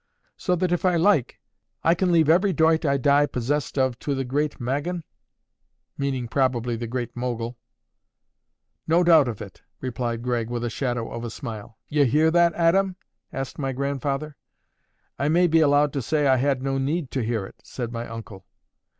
"So that, if I like," concluded my grandfather, hammering out his words, "I can leave every doit I die possessed of to the Great Magunn?" meaning probably the Great Mogul. "No doubt of it," replied Gregg, with a shadow of a smile. "Ye hear that, Aadam?" asked my grandfather. "I may be allowed to say I had no need to hear it," said my uncle.